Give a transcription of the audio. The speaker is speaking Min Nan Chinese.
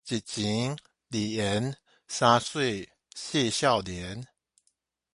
一錢、二緣、三媠、四少年